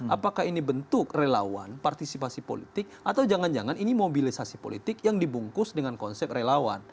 apakah ini bentuk relawan partisipasi politik atau jangan jangan ini mobilisasi politik yang dibungkus dengan konsep relawan